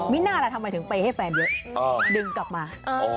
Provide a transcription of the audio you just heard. มีหน้าละทำไมถึงเปย์ให้แฟนเยอะดึงกลับมา